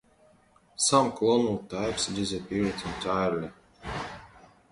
Some clonal types disappeared entirely.